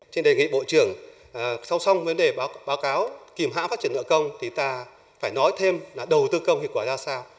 trên đề nghị bộ trưởng sau xong vấn đề báo cáo kìm hãng phát triển nợ công thì ta phải nói thêm là đầu tư công hiệu quả ra sao